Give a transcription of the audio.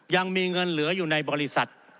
ยังมีเงินเหลืออยู่ในบริษัท